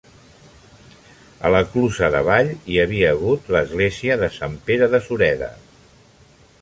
A la Clusa d'Avall hi havia hagut l'església de Sant Pere de Sureda.